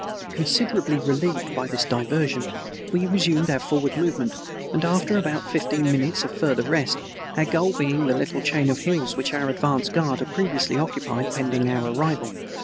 Considerably relieved by this diversion, we resumed our forward movement after about fifteen minutes of further rest, our goal being the little chain of hills which our advance guard had previously occupied pending our arrival.